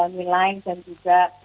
nilai dan juga